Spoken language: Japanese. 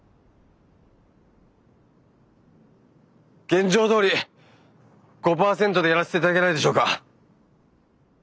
現状どおり５％でやらせていただけないでしょうか。